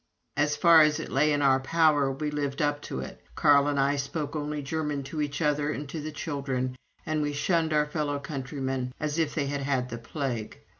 As far as it lay in our power, we lived up to it. Carl and I spoke only German to each other and to the children, and we shunned our fellow countrymen as if they had had the plague.